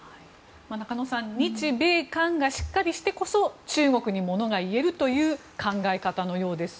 中野さん日米韓がしっかりしてこそ中国にものが言えるという考え方のようです。